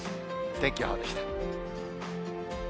天気予報でした。